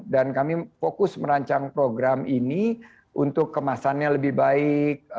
dan kami fokus merancang program ini untuk kemasannya lebih baik